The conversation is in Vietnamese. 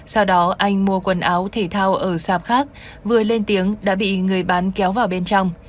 sau đó anh mua quần áo thể thao ở sạp khác vừa lên tiếng đã bị người bán kéo vào bên trong